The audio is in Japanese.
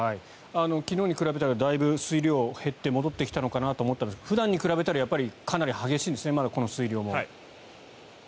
昨日に比べたらだいぶ水量が減って戻ってきたのかなと思ったんですが普段と比べたらやっぱりかなり激しいんですねまだこの水量も。